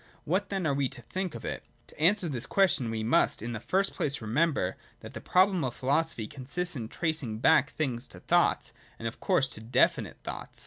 What, then, are we to think of it .' To answer this question, we must, in the first place, remember that the problem of philosophy consists in tracing back things to thoughts, and, of course, to definite thoughts.